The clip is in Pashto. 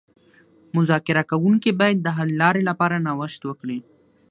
مذاکره کوونکي باید د حل لارې لپاره نوښت وکړي